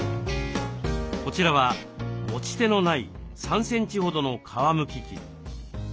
こちらは持ち手のない３センチほどの皮むき器。